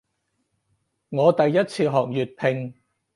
我第一次學粵拼